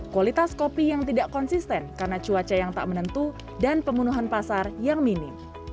kualitas kopi yang tidak konsisten karena cuaca yang tak menentu dan pembunuhan pasar yang minim